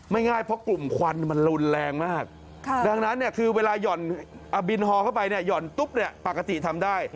ไม่ง่ายเพราะกลุ่มควันมันรุนแรงมากดังนั้นคือเวลาย่อนบินฮอเข้าไปหย่อนตุ๊บปกติทำได้